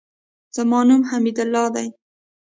زما نوم حمیدالله دئ.